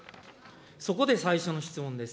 そこで最初の質問です。